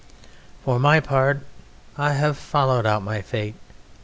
"For my part I have followed out my fate.